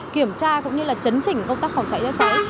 kiểm tra cũng như là chấn chỉnh công tác phòng cháy chữa cháy